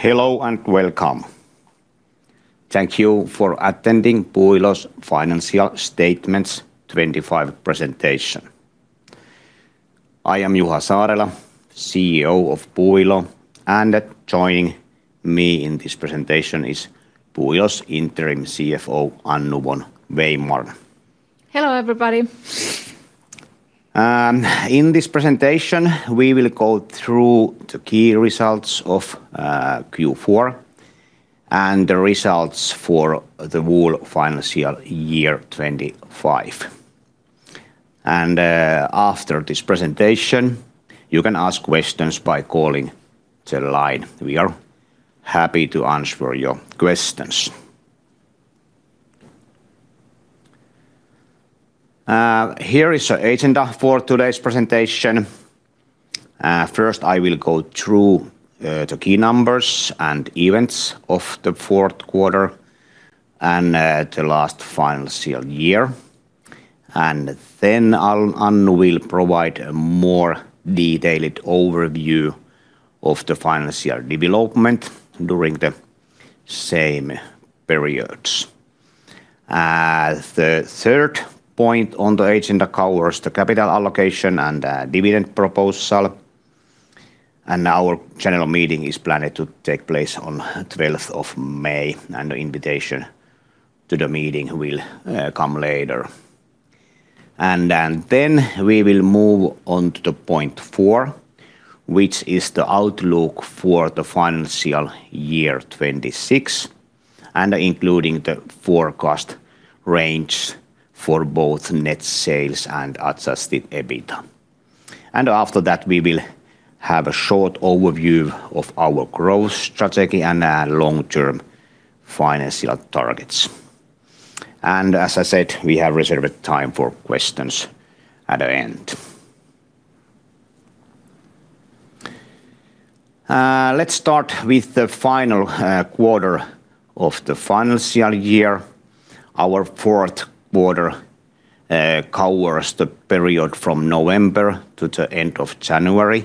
Hello and welcome. Thank you for attending Puuilo's financial statements 2025 presentation. I am Juha Saarela, CEO of Puuilo, and joining me in this presentation is Puuilo's Interim CFO, Annu von Weymarn. Hello, everybody. In this presentation, we will go through the key results of Q4 and the results for the whole financial year 2025. After this presentation, you can ask questions by calling the line. We are happy to answer your questions. Here is the agenda for today's presentation. First I will go through the key numbers and events of the fourth quarter and the last financial year. Then Annu will provide a more detailed overview of the financial development during the same periods. The third point on the agenda covers the capital allocation and dividend proposal. Our general meeting is planned to take place on 12th of May, and the invitation to the meeting will come later. We will move on to point four, which is the outlook for the financial year 2026 and including the forecast range for both net sales and adjusted EBITDA. After that, we will have a short overview of our growth strategy and long-term financial targets. As I said, we have reserved time for questions at the end. Let's start with the final quarter of the financial year. Our fourth quarter covers the period from November to the end of January,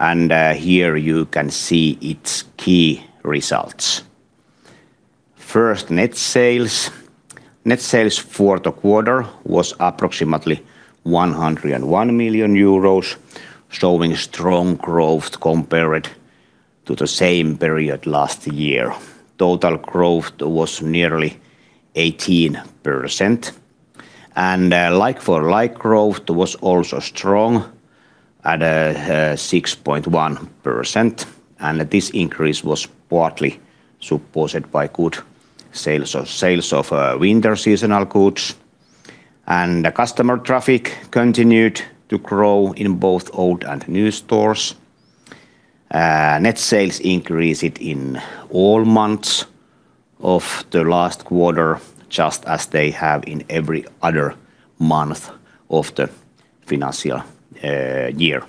and here you can see its key results. First, net sales. Net sales for the quarter was approximately 101 million euros, showing strong growth compared to the same period last year. Total growth was nearly 18%, and like-for-like growth was also strong at 6.1%. This increase was partly supported by good sales of winter seasonal goods. The customer traffic continued to grow in both old and new stores. Net sales increased in all months of the last quarter, just as they have in every other month of the financial year.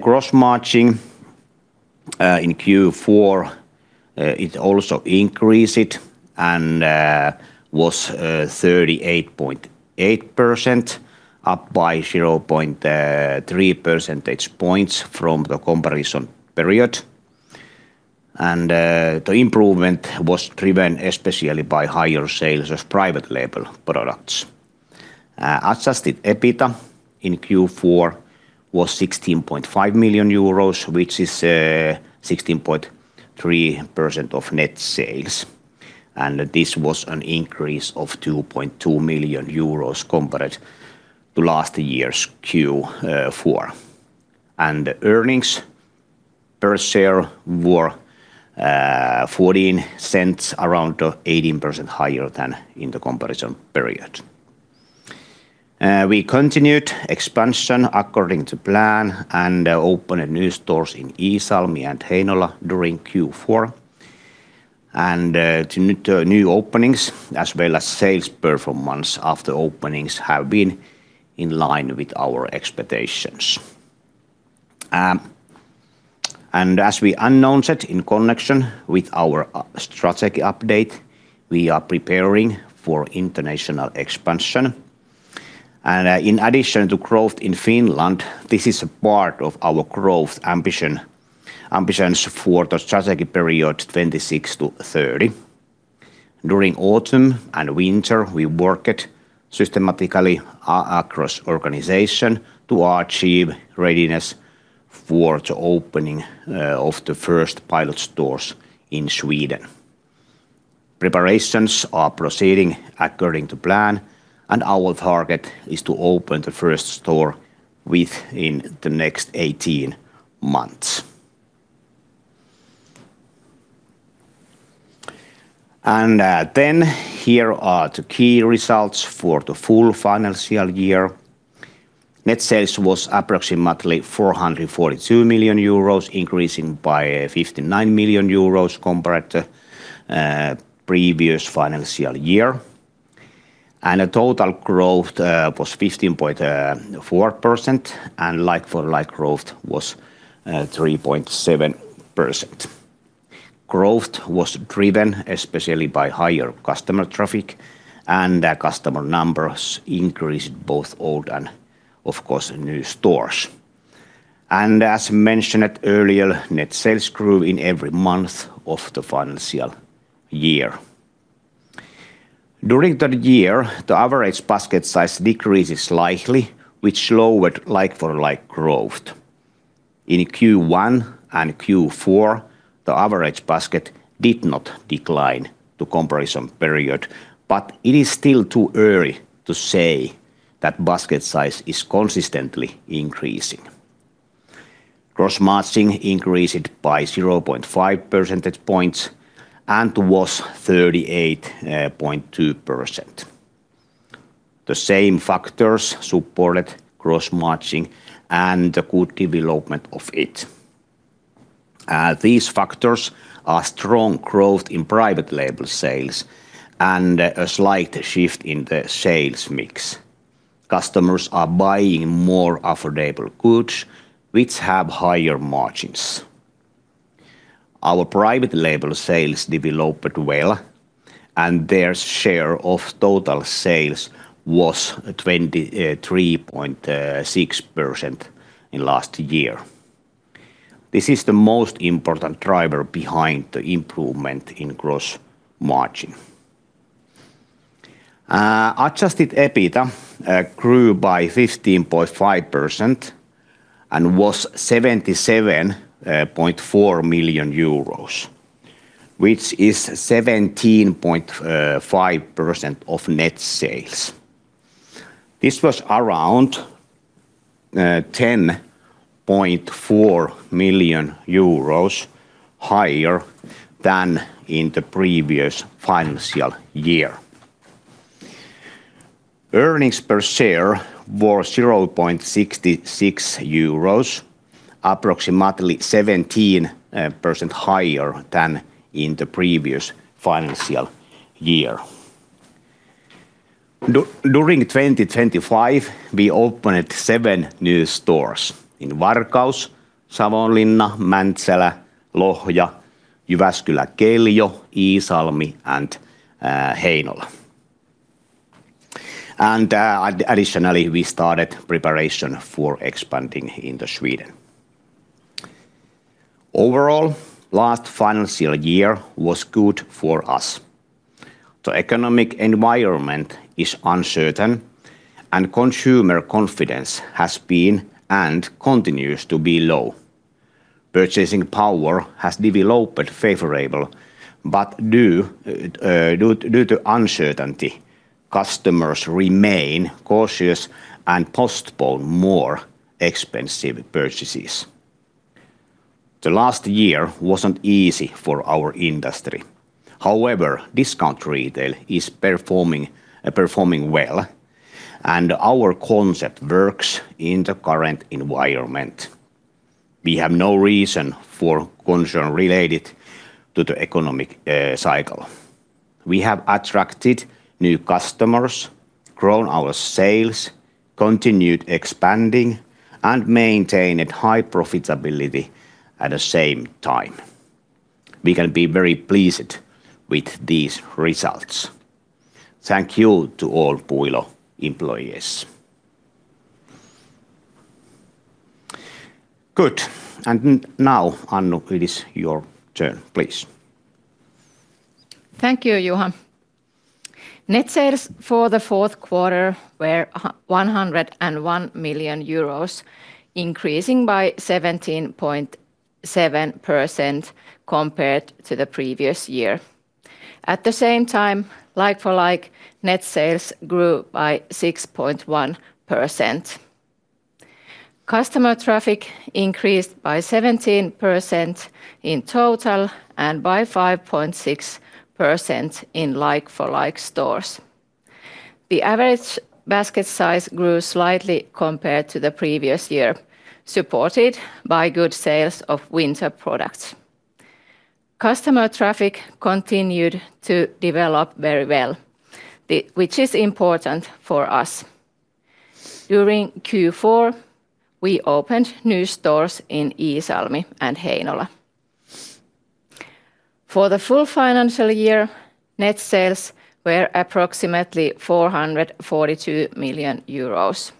Gross margin in Q4 also increased and was 38.8%, up by 0.3 percentage points from the comparison period. The improvement was driven especially by higher sales of private label products. Adjusted EBITDA in Q4 was 16.5 million euros, which is 16.3% of net sales, and this was an increase of 2.2 million euros compared to last year's Q4. Earnings per share were 0.14, around 18% higher than in the comparison period. We continued expansion according to plan and opened new stores in Iisalmi and Heinola during Q4. The new openings as well as sales performance after openings have been in line with our expectations. As we announced it in connection with our strategy update, we are preparing for international expansion. In addition to growth in Finland, this is a part of our growth ambitions for the strategy period 2026-2030. During autumn and winter, we worked systematically across organization to achieve readiness for the opening of the first pilot stores in Sweden. Preparations are proceeding according to plan, and our target is to open the first store within the next 18 months. Here are the key results for the full financial year. Net sales was approximately 442 million euros, increasing by 59 million euros compared to previous financial year. The total growth was 15.4%, and like-for-like growth was 3.7%. Growth was driven especially by higher customer traffic and the customer numbers increased both old and of course new stores. As mentioned earlier, net sales grew in every month of the financial year. During the year, the average basket size decreased slightly, which lowered like-for-like growth. In Q1 and Q4, the average basket did not decline to comparison period, but it is still too early to say that basket size is consistently increasing. Gross margin increased by 0.5 percentage points and was 38.2%. The same factors supported gross margin and the good development of it. These factors are strong growth in private label sales and a slight shift in the sales mix. Customers are buying more affordable goods which have higher margins. Our private label sales developed well, and their share of total sales was 23.6% in last year. This is the most important driver behind the improvement in gross margin. Adjusted EBITDA grew by 15.5% and was 77.4 million euros, which is 17.5% of net sales. This was around 10.4 million euros higher than in the previous financial year. Earnings per share were 0.66 euros, approximately 17% higher than in the previous financial year. During 2025, we opened seven new stores in Varkaus, Savonlinna, Mäntsälä, Lohja, Jyväskylä, Keljo, Iisalmi and Heinola. Additionally, we started preparation for expanding into Sweden. Overall, last financial year was good for us. The economic environment is uncertain and consumer confidence has been and continues to be low. Purchasing power has developed favorable, but due to uncertainty, customers remain cautious and postpone more expensive purchases. The last year wasn't easy for our industry. However, discount retail is performing well, and our concept works in the current environment. We have no reason for concern related to the economic cycle. We have attracted new customers, grown our sales, continued expanding, and maintained high profitability at the same time. We can be very pleased with these results. Thank you to all Puuilo employees. Good. Now, Annu, it is your turn, please. Thank you, Juha. Net sales for the fourth quarter were 101 million euros, increasing by 17.7% compared to the previous year. At the same time, like-for-like net sales grew by 6.1%. Customer traffic increased by 17% in total and by 5.6% in like-for-like stores. The average basket size grew slightly compared to the previous year, supported by good sales of winter products. Customer traffic continued to develop very well, which is important for us. During Q4, we opened new stores in Iisalmi and Heinola. For the full financial year, net sales were approximately 442 million euros.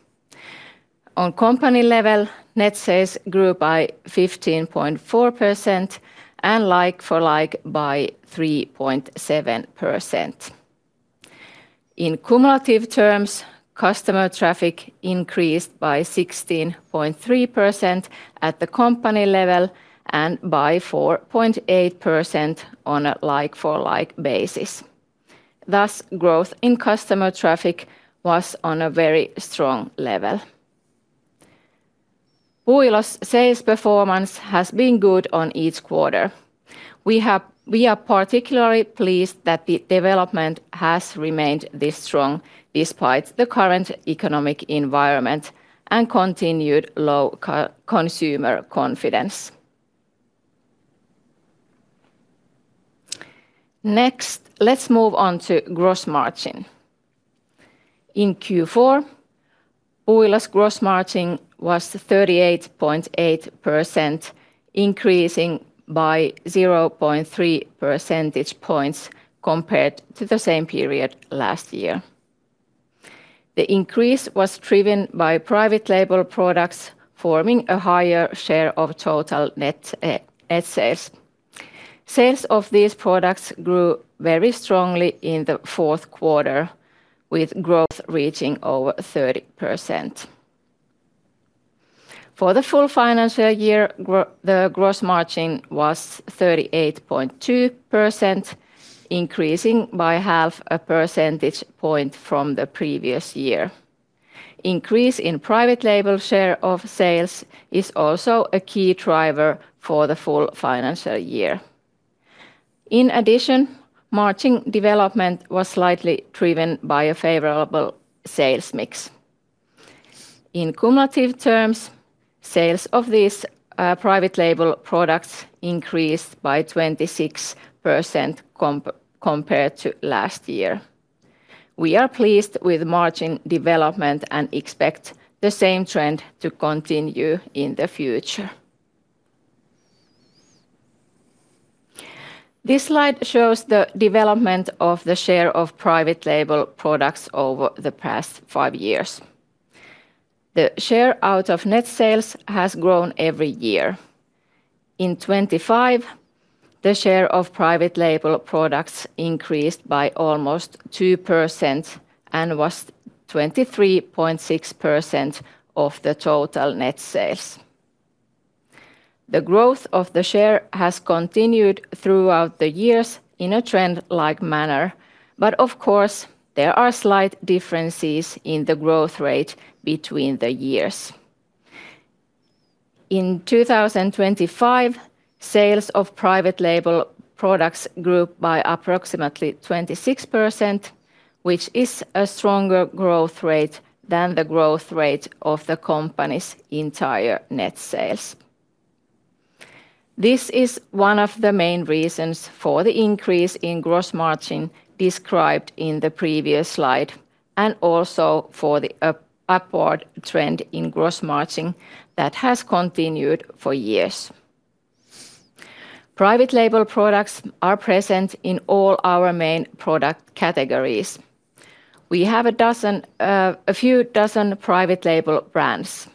On company level, net sales grew by 15.4% and like-for-like by 3.7%. In cumulative terms, customer traffic increased by 16.3% at the company level and by 4.8% on a like-for-like basis. Thus, growth in customer traffic was on a very strong level. Puuilo's sales performance has been good on each quarter. We are particularly pleased that the development has remained this strong despite the current economic environment and continued low consumer confidence. Next, let's move on to gross margin. In Q4, Puuilo's gross margin was 38.8%, increasing by 0.3 percentage points compared to the same period last year. The increase was driven by private label products forming a higher share of total net sales. Sales of these products grew very strongly in the fourth quarter, with growth reaching over 30%. For the full financial year, the gross margin was 38.2%, increasing by half a percentage point from the previous year. Increase in private label share of sales is also a key driver for the full financial year. In addition, margin development was slightly driven by a favorable sales mix. In cumulative terms, sales of these private label products increased by 26% compared to last year. We are pleased with margin development and expect the same trend to continue in the future. This slide shows the development of the share of private label products over the past five years. The share out of net sales has grown every year. In 2025, the share of private label products increased by almost 2% and was 23.6% of the total net sales. The growth of the share has continued throughout the years in a trend-like manner, but of course, there are slight differences in the growth rate between the years. In 2025, sales of private label products grew by approximately 26%, which is a stronger growth rate than the growth rate of the company's entire net sales. This is one of the main reasons for the increase in gross margin described in the previous slide, and also for the upward trend in gross margin that has continued for years. Private label products are present in all our main product categories. We have a dozen, a few dozen private label brands.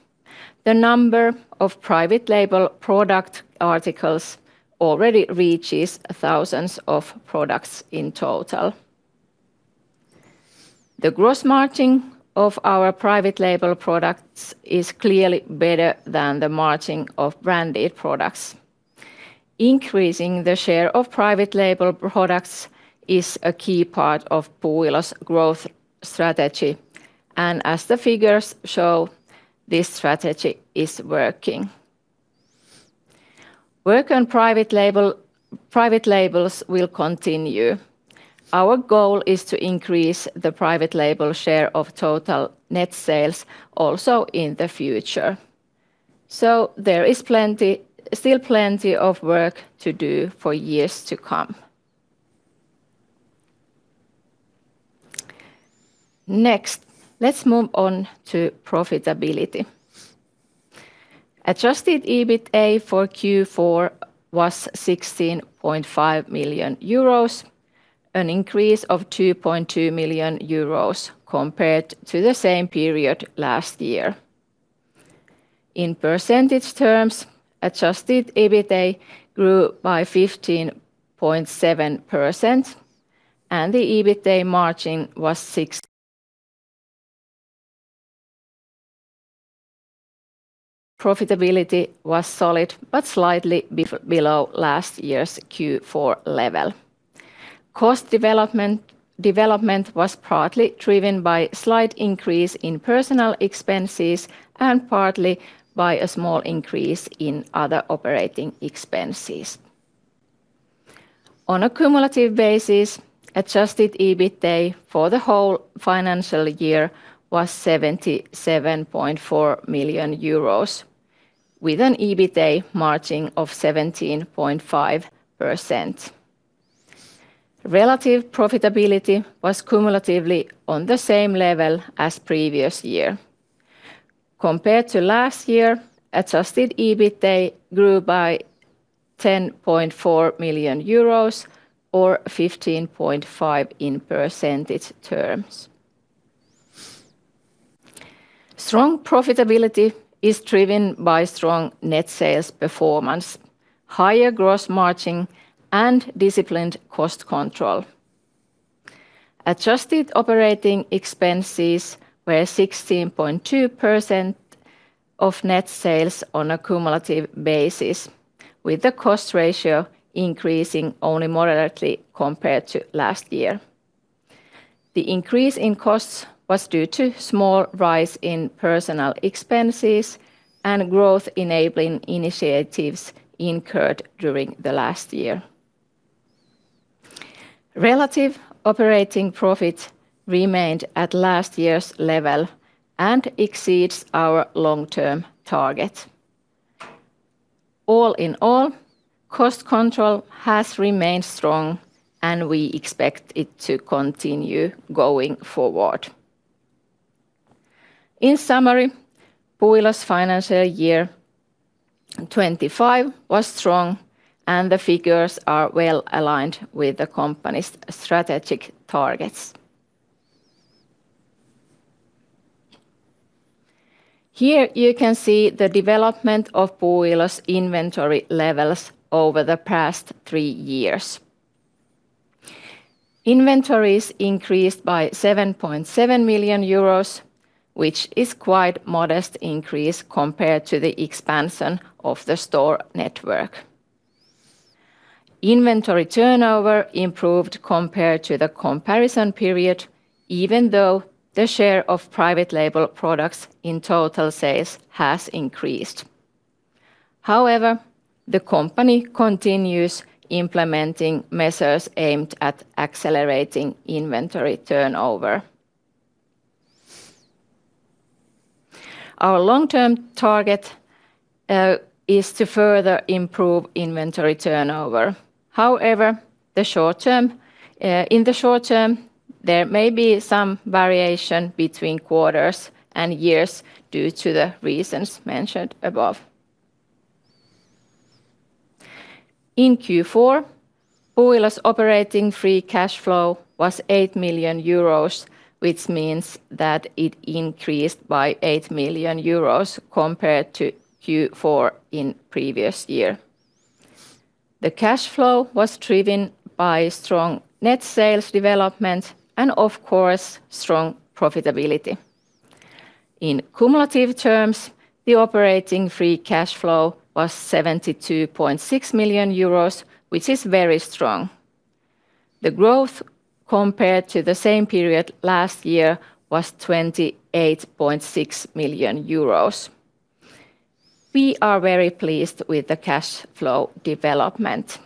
The number of private label product articles already reaches thousands of products in total. The gross margin of our private label products is clearly better than the margin of branded products. Increasing the share of private label products is a key part of Puuilo's growth strategy, and as the figures show, this strategy is working. Work on private label, private labels will continue. Our goal is to increase the private label share of total net sales also in the future. There is plenty of work to do for years to come. Next, let's move on to profitability. Adjusted EBITA for Q4 was 16.5 million euros, an increase of 2.2 million euros compared to the same period last year. In percentage terms, adjusted EBITA grew by 15.7%, and the EBITA margin was 6%. Profitability was solid but slightly below last year's Q4 level. Cost development was partly driven by a slight increase in personnel expenses and partly by a small increase in other operating expenses. On a cumulative basis, adjusted EBITA for the whole financial year was 77.4 million euros, with an EBITA margin of 17.5%. Relative profitability was cumulatively on the same level as previous year. Compared to last year, adjusted EBITA grew by 10.4 million euros or 15.5% in percentage terms. Strong profitability is driven by strong net sales performance, higher gross margin, and disciplined cost control. Adjusted operating expenses were 16.2% of net sales on a cumulative basis, with the cost ratio increasing only moderately compared to last year. The increase in costs was due to small rise in personal expenses and growth-enabling initiatives incurred during the last year. Relative operating profit remained at last year's level and exceeds our long-term target. All in all, cost control has remained strong, and we expect it to continue going forward. In summary, Puuilo's financial year 2025 was strong, and the figures are well-aligned with the company's strategic targets. Here you can see the development of Puuilo's inventory levels over the past three years. Inventories increased by 7.7 million euros, which is quite modest increase compared to the expansion of the store network. Inventory turnover improved compared to the comparison period even though the share of private label products in total sales has increased. However, the company continues implementing measures aimed at accelerating inventory turnover. Our long-term target is to further improve inventory turnover. However, in the short-term, there may be some variation between quarters and years due to the reasons mentioned above. In Q4, Puuilo's operating free cash flow was 8 million euros, which means that it increased by 8 million euros compared to Q4 in previous year. The cash flow was driven by strong net sales development and of course, strong profitability. In cumulative terms, the operating free cash flow was 72.6 million euros, which is very strong. The growth compared to the same period last year was 28.6 million euros. We are very pleased with the cash flow development.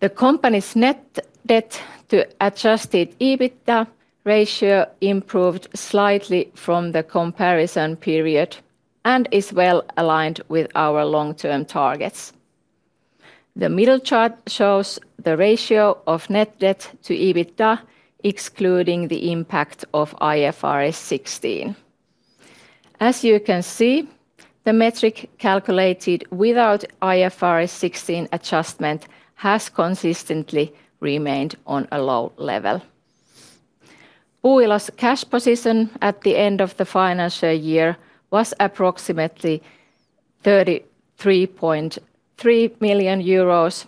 The company's net debt to adjusted EBITDA ratio improved slightly from the comparison period and is well-aligned with our long-term targets. The middle chart shows the ratio of net debt to EBITDA excluding the impact of IFRS 16. As you can see, the metric calculated without IFRS 16 adjustment has consistently remained on a low level. Puuilo's cash position at the end of the financial year was approximately 33.3 million euros,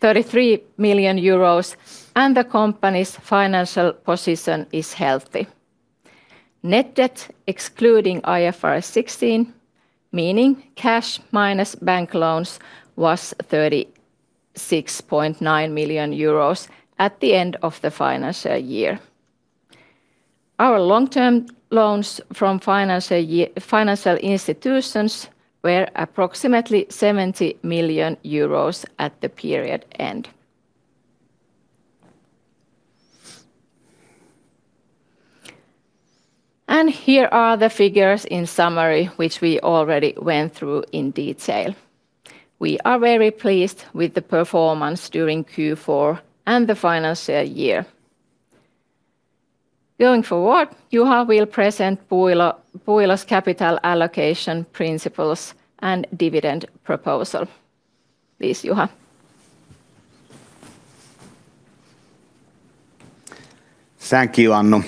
33 million euros, and the company's financial position is healthy. Net debt excluding IFRS 16, meaning cash minus bank loans, was 36.9 million euros at the end of the financial year. Our long-term loans from financial institutions were approximately 70 million euros at the period end. Here are the figures in summary, which we already went through in detail. We are very pleased with the performance during Q4 and the financial year. Going forward, Juha will present Puuilo's capital allocation principles and dividend proposal. Please, Juha. Thank you, Annu.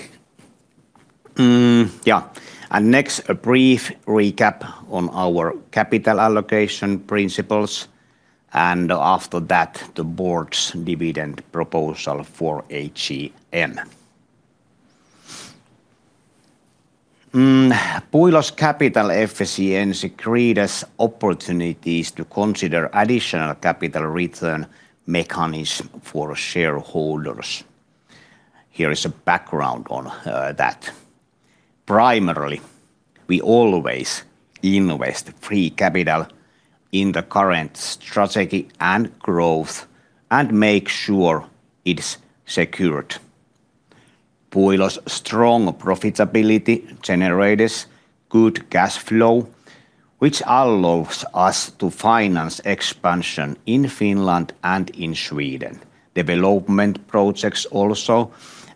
Next, a brief recap on our capital allocation principles and after that, the board's dividend proposal for AGM. Puuilo's capital efficiency creates opportunities to consider additional capital return mechanism for shareholders. Here is a background on that. Primarily, we always invest free capital in the current strategy and growth and make sure it's secured. Puuilo's strong profitability generates good cash flow, which allows us to finance expansion in Finland and in Sweden, development projects also,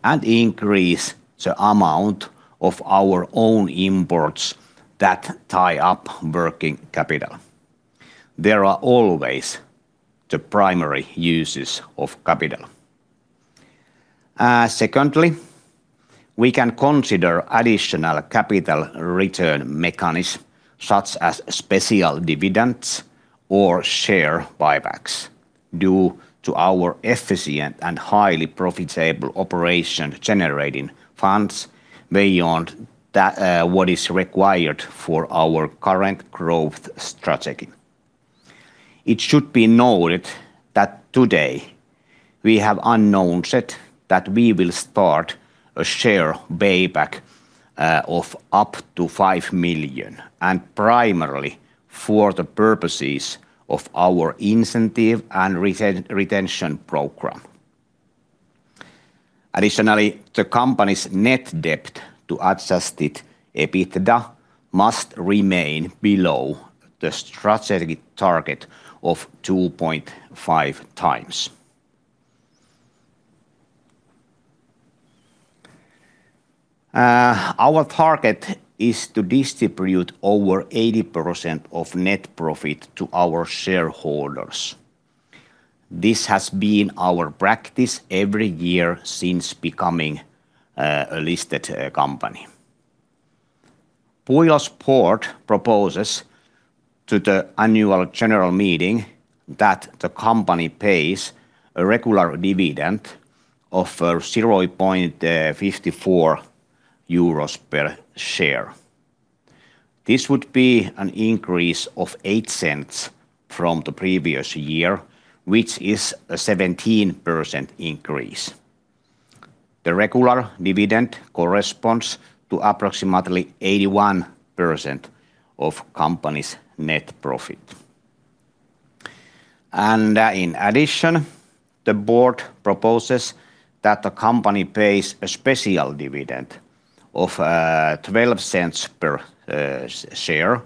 and increase the amount of our own imports that tie up working capital. They are always the primary uses of capital. Secondly, we can consider additional capital return mechanism such as special dividends or share buybacks due to our efficient and highly profitable operation generating funds beyond that, what is required for our current growth strategy. It should be noted that today we have announced that we will start a share buyback of up to 5 million, and primarily for the purposes of our incentive and retention program. Additionally, the company's net debt to adjusted EBITDA must remain below the strategic target of 2.5x. Our target is to distribute over 80% of net profit to our shareholders. This has been our practice every year since becoming a listed company. Puuilo's board proposes to the Annual General Meeting that the company pays a regular dividend of 0.54 euros per share. This would be an increase of 0.08 from the previous year, which is a 17% increase. The regular dividend corresponds to approximately 81% of company's net profit. In addition, the board proposes that the company pays a special dividend of 0.12 per share.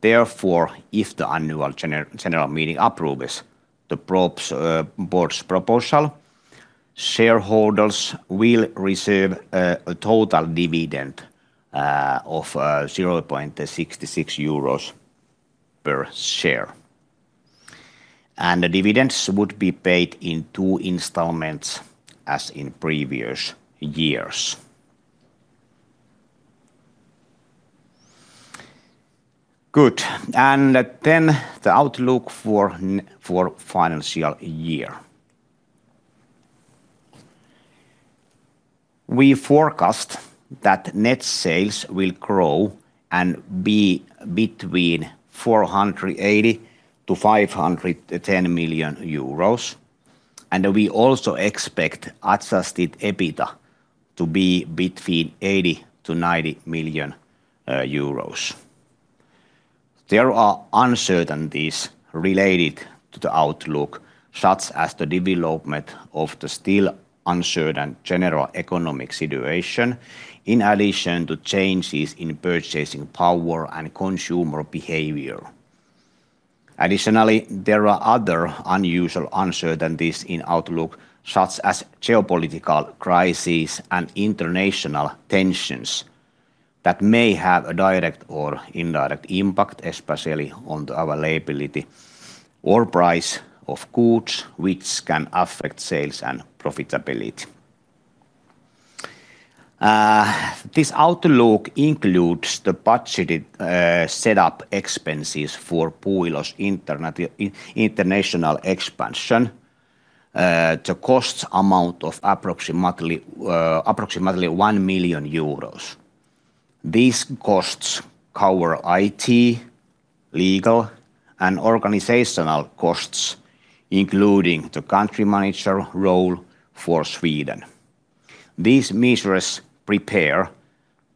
Therefore, if the Annual General Meeting approves the board's proposal, shareholders will receive a total dividend of 0.66 euros per share. The dividends would be paid in two installments as in previous years. Then the outlook for financial year. We forecast that net sales will grow and be between 480 million-510 million euros. We also expect adjusted EBITDA to be between 80 million-90 million euros. There are uncertainties related to the outlook, such as the development of the still uncertain general economic situation, in addition to changes in purchasing power and consumer behavior. Additionally, there are other unusual uncertainties in outlook, such as geopolitical crises and international tensions that may have a direct or indirect impact, especially on the availability or price of goods, which can affect sales and profitability. This outlook includes the budgeted set-up expenses for Puuilo's international expansion. The costs amount to approximately 1 million euros. These costs cover IT, legal, and organizational costs, including the country manager role for Sweden. These measures prepare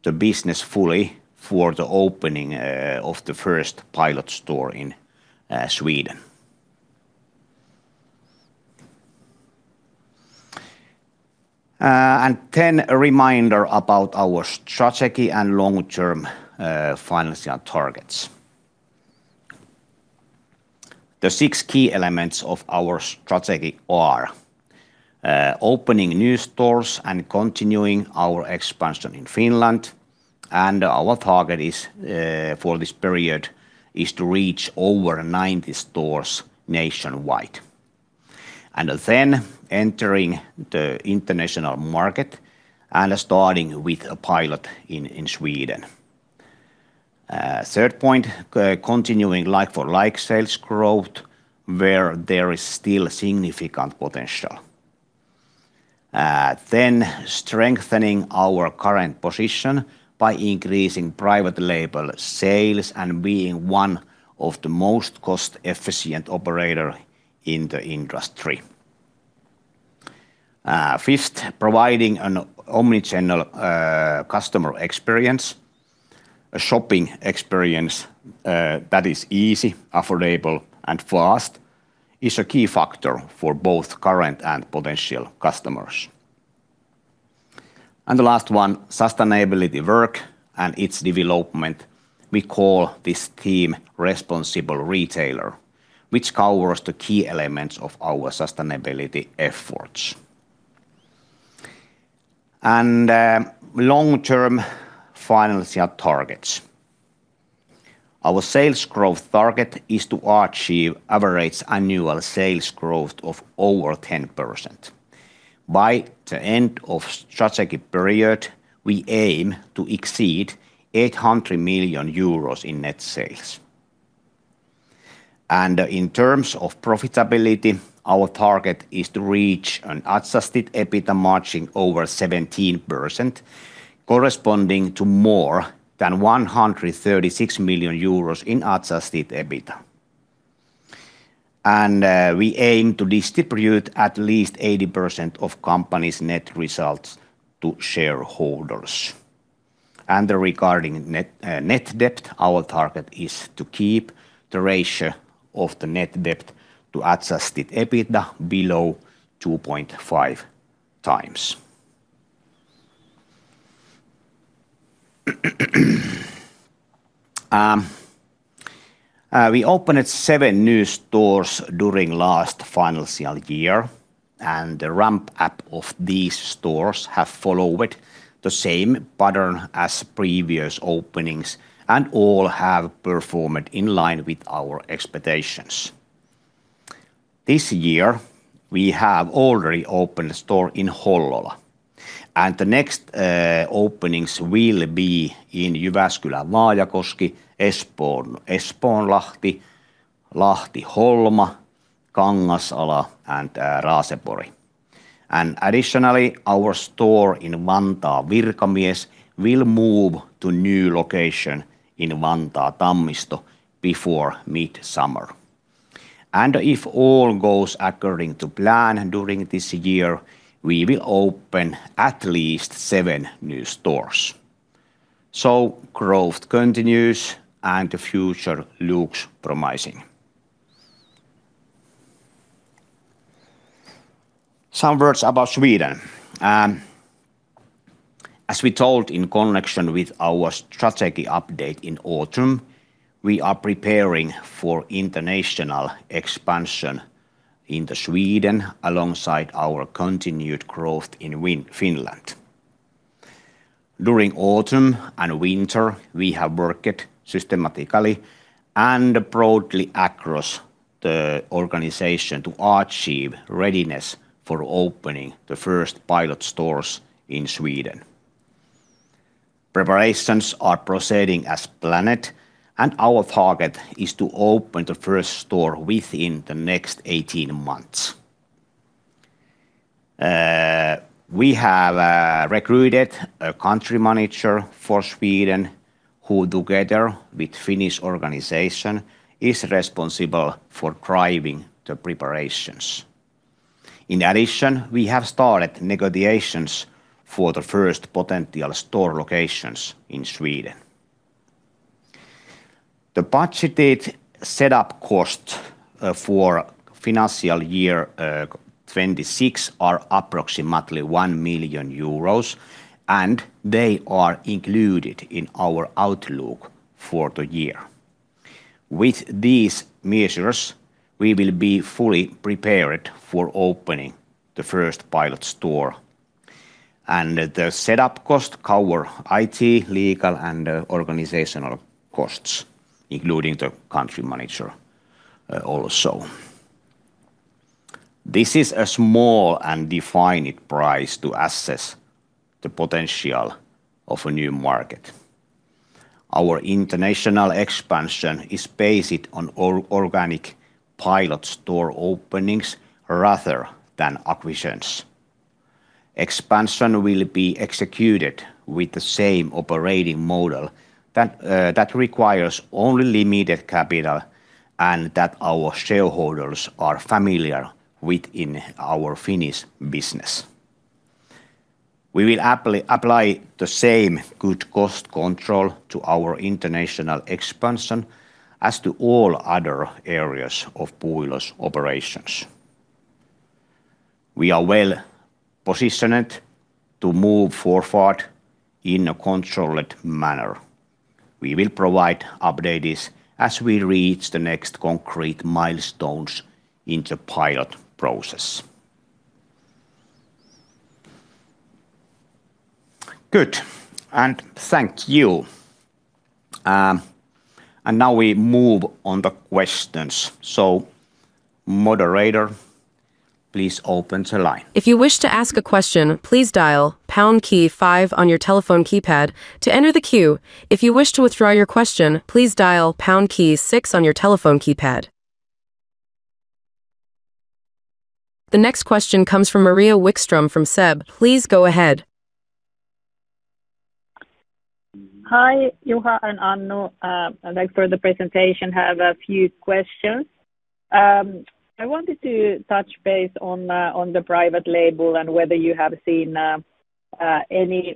the business fully for the opening of the first pilot store in Sweden. A reminder about our strategy and long-term financial targets. The six key elements of our strategy are opening new stores and continuing our expansion in Finland, and our target for this period is to reach over 90 stores nationwide. Entering the international market and starting with a pilot in Sweden. Third point, continuing like-for-like sales growth where there is still significant potential. Strengthening our current position by increasing private label sales and being one of the most cost-efficient operator in the industry. Fifth, providing an omnichannel customer experience, a shopping experience that is easy, affordable, and fast is a key factor for both current and potential customers. The last one, sustainability work and its development. We call this theme Responsible Retailer, which covers the key elements of our sustainability efforts. Long-term financial targets. Our sales growth target is to achieve average annual sales growth of over 10%. By the end of the strategic period, we aim to exceed 800 million euros in net sales. In terms of profitability, our target is to reach an adjusted EBITDA margin over 17%, corresponding to more than 136 million euros in adjusted EBITDA. We aim to distribute at least 80% of company's net results to shareholders. Regarding net debt, our target is to keep the ratio of the net debt to adjusted EBITDA below 2.5x. We opened seven new stores during last financial year, and the ramp-up of these stores have followed the same pattern as previous openings, and all have performed in line with our expectations. This year, we have already opened a store in Hollola, and the next openings will be in Jyväskylä, Vaajakoski, Espoo, Espoonlahti, Lahti, Holma, Kangasala, and Raasepori. Additionally, our store in Vantaa, Virkamies, will move to new location in Vantaa, Tammisto, before mid-summer. If all goes according to plan during this year, we will open at least seven new stores. Growth continues, and the future looks promising. Some words about Sweden. As we told in connection with our strategy update in autumn, we are preparing for international expansion into Sweden alongside our continued growth in Finland. During autumn and winter, we have worked systematically and broadly across the organization to achieve readiness for opening the first pilot stores in Sweden. Preparations are proceeding as planned, and our target is to open the first store within the next 18 months. We have recruited a country manager for Sweden who, together with Finnish organization, is responsible for driving the preparations. In addition, we have started negotiations for the first potential store locations in Sweden. The budgeted set-up cost for financial year 2026 is approximately 1 million euros, and they are included in our outlook for the year. With these measures, we will be fully prepared for opening the first pilot store. The set-up cost covers IT, legal, and organizational costs, including the country manager also. This is a small and defined price to assess the potential of a new market. Our international expansion is based on organic pilot store openings rather than acquisitions. Expansion will be executed with the same operating model that requires only limited capital and that our shareholders are familiar with in our Finnish business. We will apply the same good cost control to our international expansion as to all other areas of Puuilo's operations. We are well-positioned to move forward in a controlled manner. We will provide updates as we reach the next concrete milestones in the pilot process. Good, and thank you. Now we move to the questions. Moderator, please open the line. If you wish to ask a question, please dial pound key five on your telephone keypad to enter the queue. If you wish to withdraw your question, please dial pound key six on your telephone keypad. The next question comes from Maria Wikström from SEB. Please go ahead. Hi, Juha and Annu. Thank you for the presentation. I have a few questions. I wanted to touch base on the private label and whether you have seen any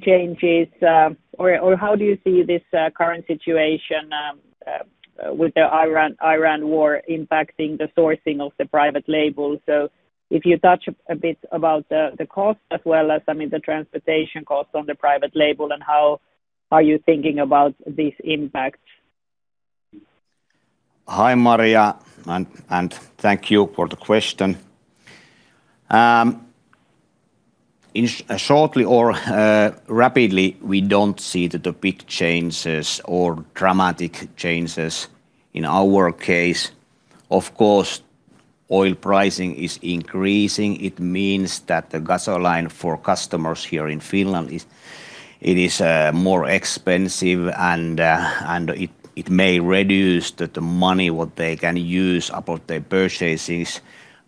changes, or how do you see this current situation with the Ukraine war impacting the sourcing of the private label? If you touch on a bit about the cost as well as, I mean, the transportation cost on the private label, and how are you thinking about this impact? Hi, Maria, and thank you for the question. Shortly or rapidly, we don't see the big changes or dramatic changes in our case. Of course, oil pricing is increasing. It means that the gasoline for customers here in Finland is more expensive and it may reduce the money what they can use for their purchases.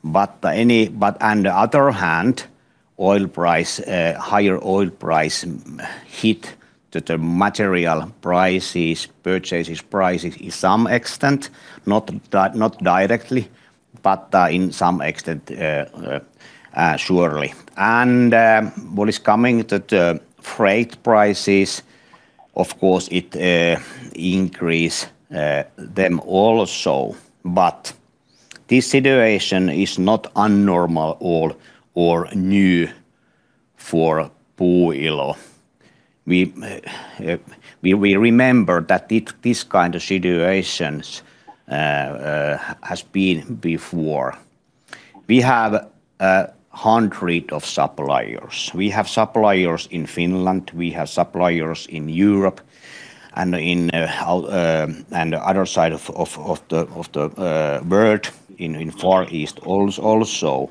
But on the other hand, higher oil price hits the material prices, purchase prices to some extent, not directly. But to some extent surely. When it comes to the freight prices, of course it increases them also. This situation is not abnormal or new for Puuilo. We remember that this kind of situations has been before. We have hundreds of suppliers. We have suppliers in Finland, we have suppliers in Europe and in Asia and other side of the world in Far East also.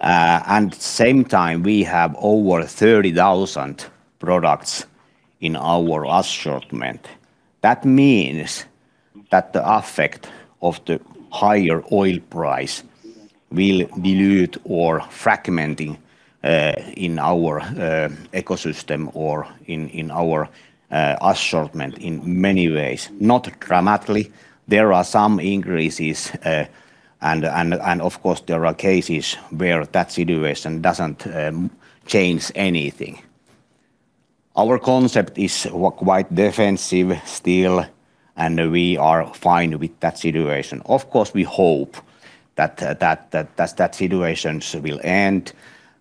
At the same time we have over 30,000 products in our assortment. That means that the effect of the higher oil price will dilute or fragment in our ecosystem or in our assortment in many ways. Not dramatically. There are some increases and of course there are cases where that situation doesn't change anything. Our concept is quite defensive still, and we are fine with that situation. Of course, we hope that situations will end,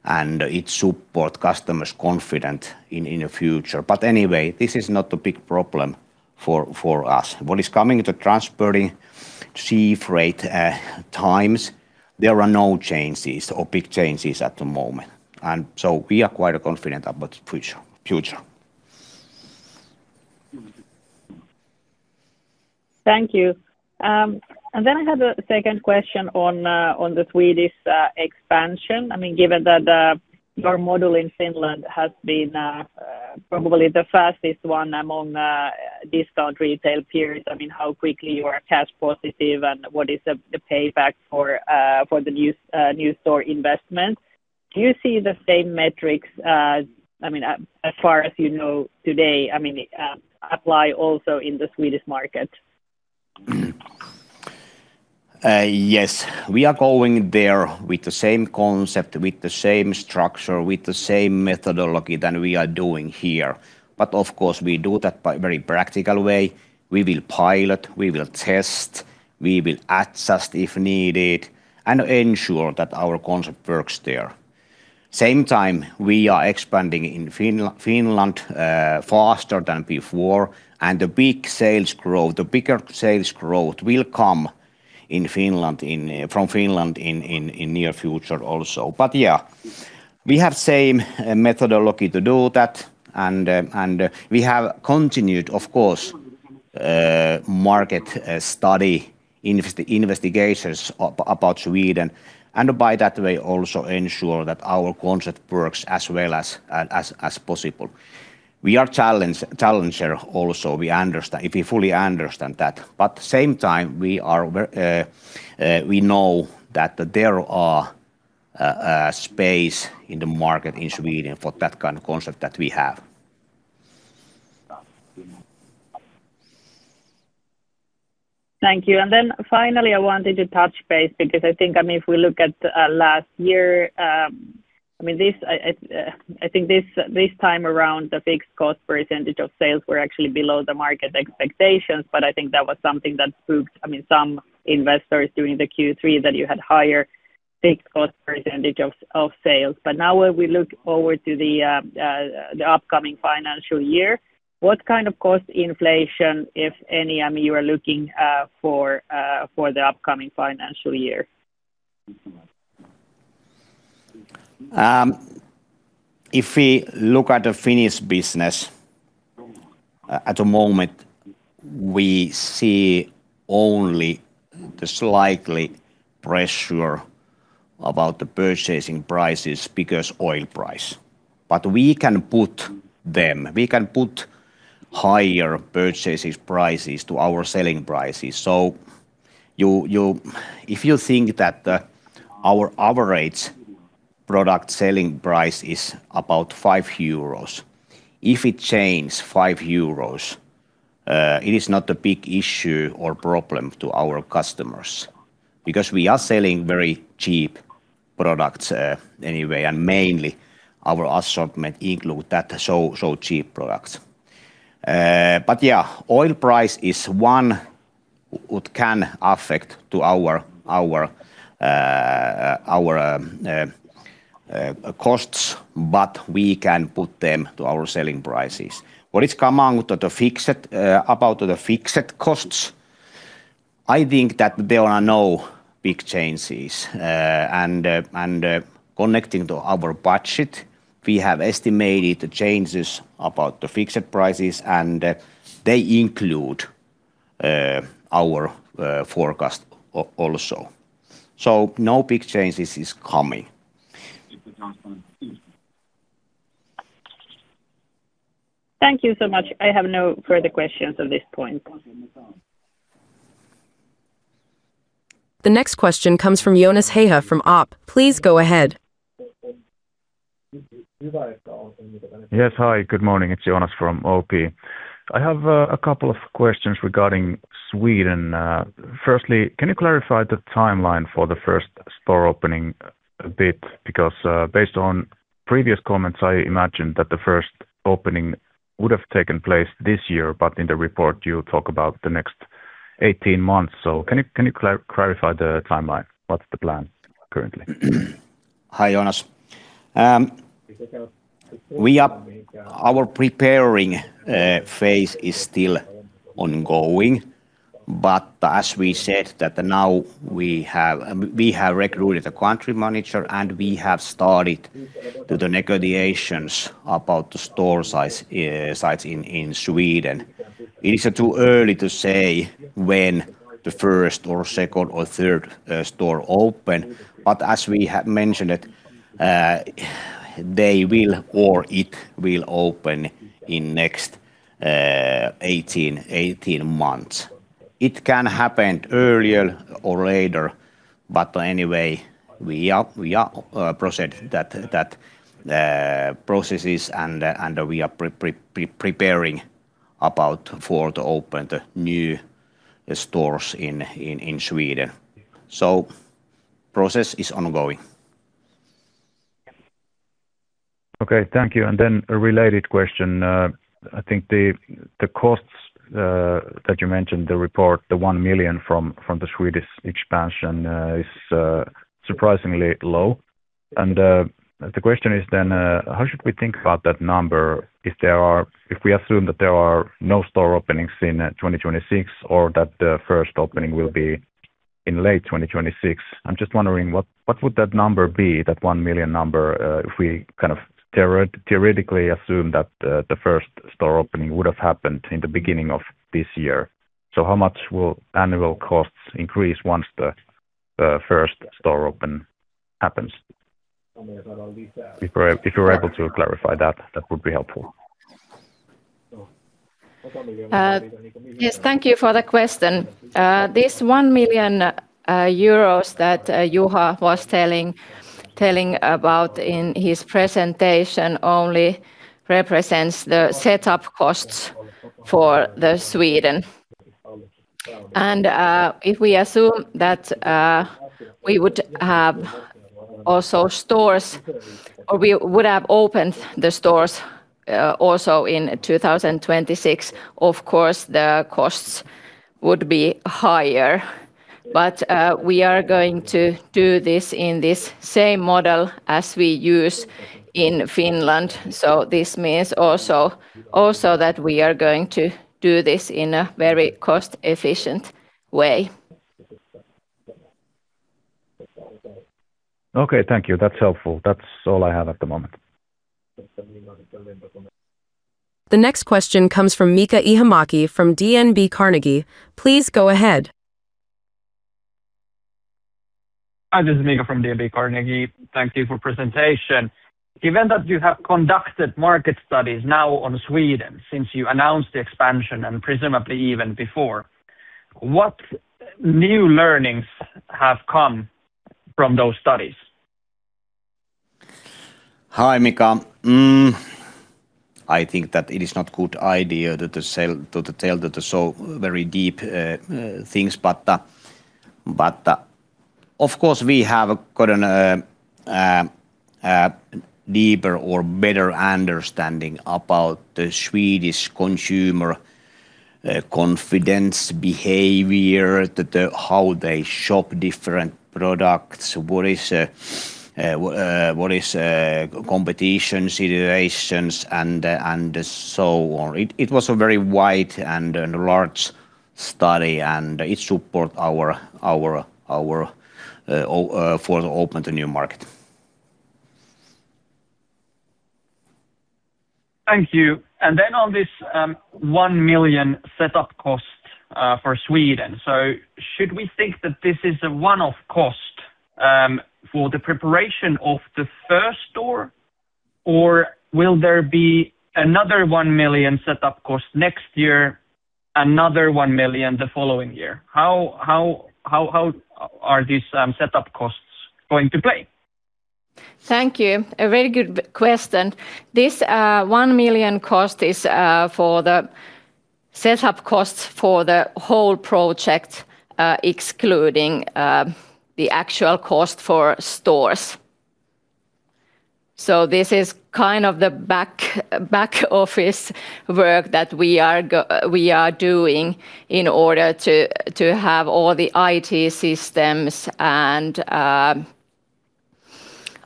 and it supports customers' confidence in the future. Anyway, this is not a big problem for us. When it comes to transporting sea freight transit times, there are no changes or big changes at the moment. We are quite confident about future. Thank you. I have a second question on the Swedish expansion. I mean, given that your model in Finland has been probably the fastest one among discount retail peers, I mean, how quickly you are cash positive and what is the payback for the new store investments. Do you see the same metrics, I mean, as far as you know today, I mean, apply also in the Swedish market? Yes. We are going there with the same concept, with the same structure, with the same methodology than we are doing here. Of course, we do that by very practical way. We will pilot, we will test, we will adjust if needed, and ensure that our concept works there. At the same time, we are expanding in Finland faster than before, and the bigger sales growth will come from Finland in near future also. Yeah, we have same methodology to do that and we have continued, of course, market study investigations about Sweden, and in that way also ensure that our concept works as well as possible. We are challenger also. If we fully understand that. Same time, we know that there is a space in the market in Sweden for that kind of concept that we have. Thank you. Then finally, I wanted to touch base because I think, I mean, if we look at last year, I mean, I think this time around the fixed cost percentage of sales were actually below the market expectations, but I think that was something that spooked, I mean, some investors during the Q3 that you had higher fixed cost percentage of sales. Now when we look forward to the upcoming financial year, what kind of cost inflation, if any, I mean, you are looking for the upcoming financial year? If we look at the Finnish business, at the moment, we see only slight pressure on the purchase prices because of the oil price. We can put higher purchase prices to our selling prices. If you think that our average product selling price is about 5 euros, if it change 5 euros, it is not a big issue or problem to our customers because we are selling very cheap products, anyway, and mainly our assortment include that so cheap products. Oil price is one what can affect to our costs, but we can put them to our selling prices. When it comes to the fixed costs, I think that there are no big changes. Connecting to our budget, we have estimated the changes about the fixed prices and they include our forecast also. No big changes is coming. Thank you so much. I have no further questions at this point. The next question comes from Joonas Häyhä from OP. Please go ahead. Yes. Hi, good morning. It's Joonas from OP. I have a couple of questions regarding Sweden. Firstly, can you clarify the timeline for the first store opening a bit? Because, based on previous comments, I imagined that the first opening would have taken place this year, but in the report, you talk about the next 18 months. Can you clarify the timeline? What's the plan currently? Hi, Joonas. Our preparation phase is still ongoing, but as we said, now we have recruited a country manager, and we have started the negotiations about the store sites in Sweden. It is too early to say when the first or second or third store open, but as we have mentioned it, they will or it will open in the next 18 months. It can happen earlier or later, but anyway, we are proceeding with those processes, and we are preparing for the opening of the new stores in Sweden. Process is ongoing. Okay. Thank you. Then a related question. I think the costs that you mentioned, the reported 1 million from the Swedish expansion, is surprisingly low. The question is, how should we think about that number if we assume that there are no store openings in 2026 or that the first opening will be in late 2026? I'm just wondering what that number would be, that 1 million number, if we theoretically assume that the first store opening would have happened in the beginning of this year. How much will annual costs increase once the first store opens? If you're able to clarify that would be helpful. Yes. Thank you for the question. This 1 million euros that Juha was telling about in his presentation only represents the setup costs for Sweden. If we assume that we would have stores or we would have opened the stores also in 2026, of course, the costs would be higher. We are going to do this in this same model as we use in Finland. This means also that we are going to do this in a very cost-efficient way. Okay. Thank you. That's helpful. That's all I have at the moment. The next question comes from Miika Ihamäki from DNB Carnegie. Please go ahead. Hi, this is Miika from DNB Carnegie. Thank you for the presentation. Given that you have conducted market studies now on Sweden since you announced the expansion and presumably even before, what new learnings have come from those studies? Hi, Miika. I think that it is not good idea to tell the so very deep things, but of course, we have gotten deeper or better understanding about the Swedish consumer confidence behavior, how they shop different products, what is competition situations and so on. It was a very wide and large study, and it support our for open to new market. Thank you. On this, 1 million setup cost, for Sweden. Should we think that this is a one-off cost, for the preparation of the first store, or will there be another 1 million setup cost next year, another 1 million the following year? How are these setup costs going to play? Thank you. A very good question. This 1 million cost is for the setup costs for the whole project, excluding the actual cost for stores. This is kind of the back office work that we are doing in order to have all the IT systems and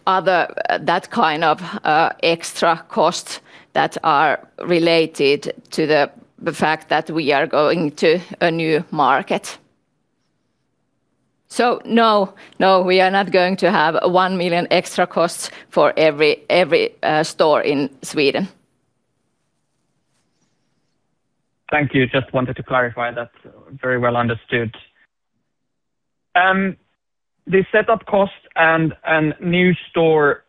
other that kind of extra costs that are related to the fact that we are going to a new market. No, we are not going to have 1 million extra costs for every store in Sweden. Thank you. Just wanted to clarify that. Very well understood. The setup costs and new store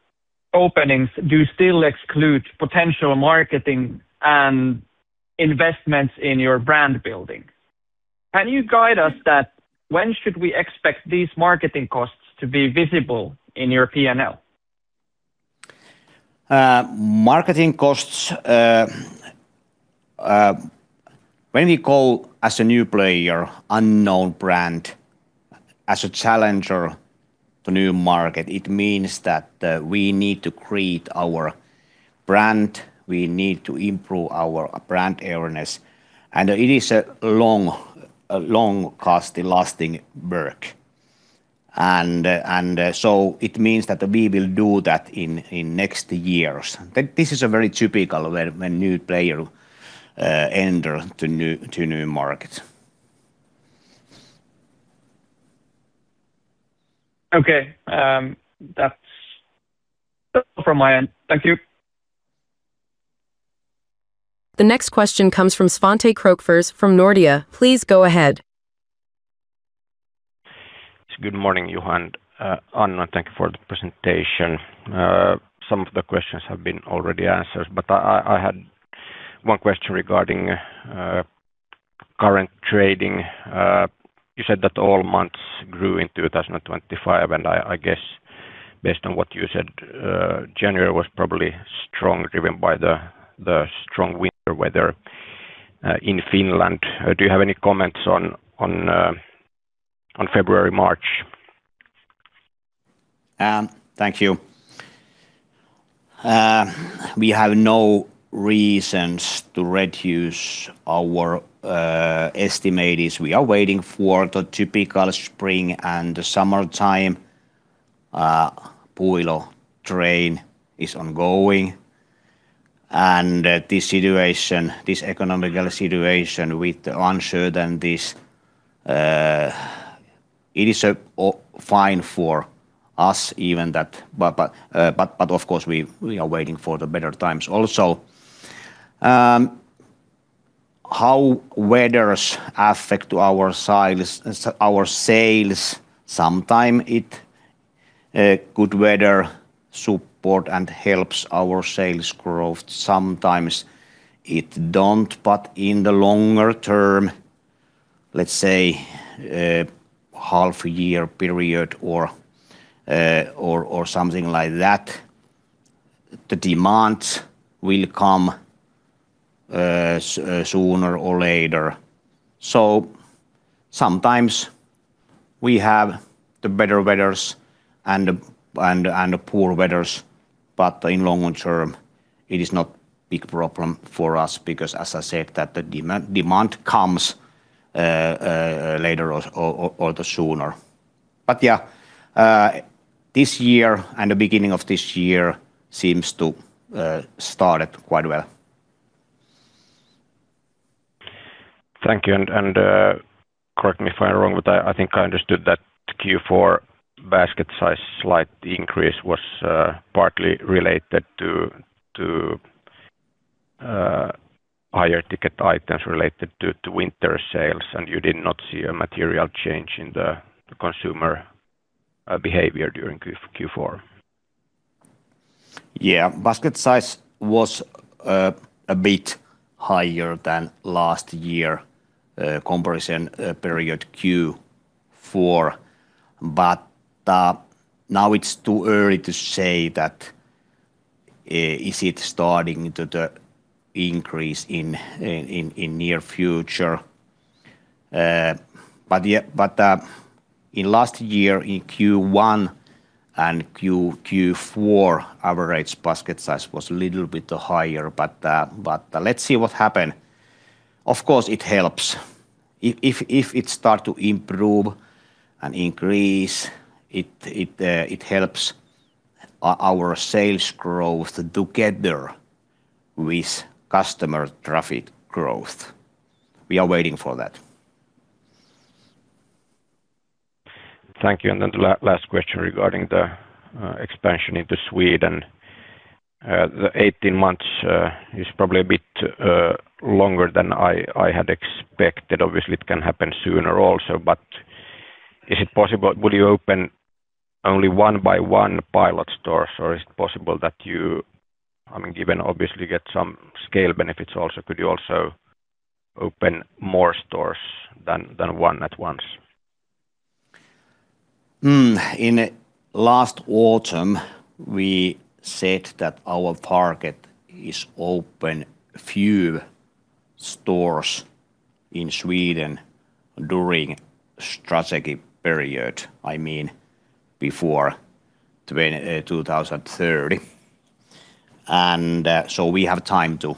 openings do still exclude potential marketing and investments in your brand building. Can you guide us on when we should expect these marketing costs to be visible in your P&L? Marketing costs, when we come as a new player unknown brand as a challenger to new market, it means that we need to create our brand, we need to improve our brand awareness, and it is a long costly lasting work. It means that we will do that in next years. This is very typical when new player enter to new market. Okay. That's from my end. Thank you. The next question comes from Svante Krokfors from Nordea. Please go ahead. Good morning, Juha and Annu. Thank you for the presentation. Some of the questions have been already answered, but I had one question regarding current trading. You said that all months grew in 2025, and I guess based on what you said, January was probably strong driven by the strong winter weather in Finland. Do you have any comments on February, March? Thank you. We have no reasons to reduce our estimate, as we are waiting for the typical spring and the summertime. Puuilo trend is ongoing, and this situation, this economic situation with the uncertainties, it is fine for us even that, but of course we are waiting for the better times also. How weather affects our sales, our sales, sometimes it, good weather supports and helps our sales growth. Sometimes it don't, but in the longer term, let's say, half year period or something like that, the demand will come sooner or later. Sometimes we have the better weather and the poor weather, but in long term it is not big problem for us because, as I said, that the demand comes later or the sooner. But yeah, this year and the beginning of this year seems to started quite well. Thank you. Correct me if I'm wrong, but I think I understood that Q4 basket size slight increase was partly related to higher ticket items related to winter sales, and you did not see a material change in the consumer behavior during Q4. Yeah. Basket size was a bit higher than last year comparison period Q4. Now it's too early to say that is it starting to increase in the near future. Yeah. In last year, in Q1 and Q4, average basket size was little bit higher. Let's see what happen. Of course, it helps. If it start to improve and increase, it helps our sales growth together with customer traffic growth. We are waiting for that. Thank you. Last question regarding the expansion into Sweden. The 18 months is probably a bit longer than I had expected. Obviously, it can happen sooner also, but would you open only one by one pilot stores, or is it possible that you I mean, given obviously get some scale benefits also, could you also open more stores than one at once? In last autumn, we said that our target is open few stores in Sweden during strategy period, I mean, before 2030. We have time to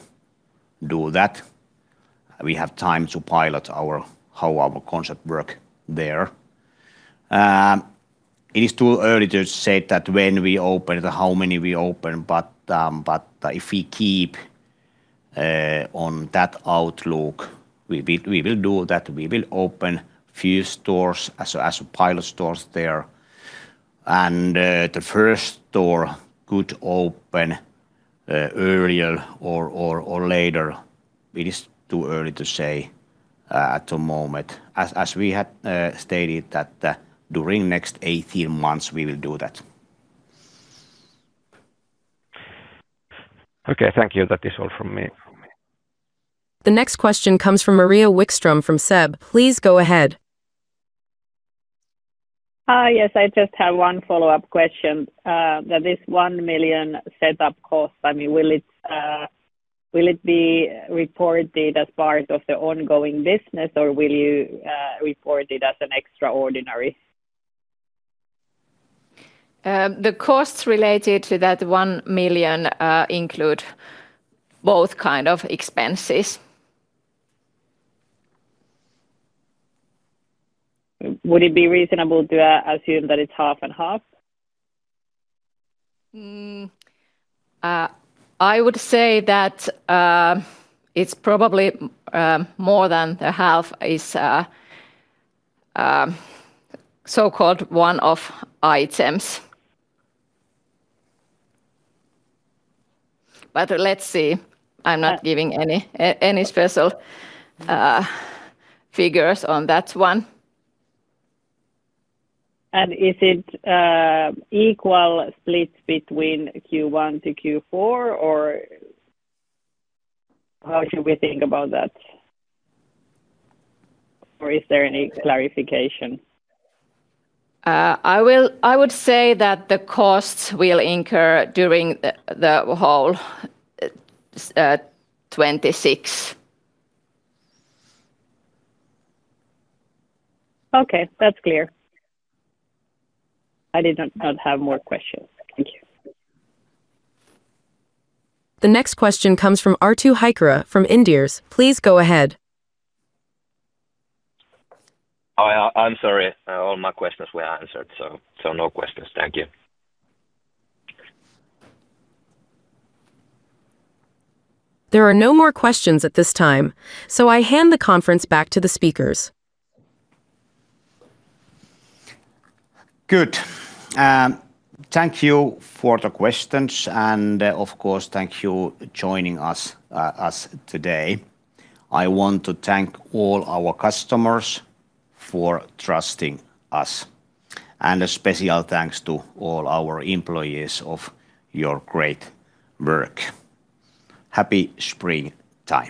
do that. We have time to pilot our, how our concept work there. It is too early to say that when we open, how many we open, but if we keep on that outlook, we will do that. We will open few stores as pilot stores there. The first store could open earlier or later. It is too early to say at the moment. As we had stated that during next 18 months we will do that. Okay, thank you. That is all from me. The next question comes from Maria Wikström from SEB. Please go ahead. Yes, I just have one follow-up question. That this 1 million setup cost, I mean, will it be reported as part of the ongoing business, or will you report it as an extraordinary? The costs related to that 1 million include both kind of expenses. Would it be reasonable to assume that it's half and half? I would say that it's probably more than half is so-called one-off items. Let's see. I'm not giving any special figures on that one. Is it equal split between Q1 to Q4, or how should we think about that? Or is there any clarification? I would say that the costs will incur during the whole 2026. Okay, that's clear. I did not have more questions. Thank you. The next question comes from Arttu Heikura from Inderes. Please go ahead. I'm sorry. All my questions were answered, so no questions. Thank you. There are no more questions at this time, so I hand the conference back to the speakers. Good. Thank you for the questions, and of course, thank you for joining us today. I want to thank all our customers for trusting us. A special thanks to all our employees for your great work. Happy springtime.